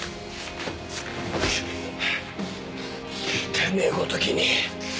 てめえごときに。